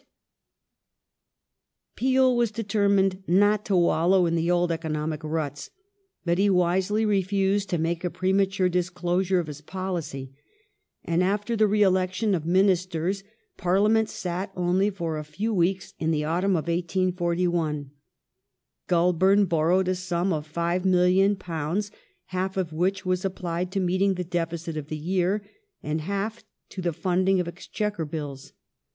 ^tLshC'*i<^ Peel was determined hot to wallow in the old economic ruts, but he wisely i efused to make a premature disclosure of his policy, and after the re election of Ministers Parliament sat only for a few weeks in the autumn of 1841. Goulburn borrowed a sum of £5,000,000, half of which was applied to meeting the deficit of the year, and half to the funding of Exchequer Bills.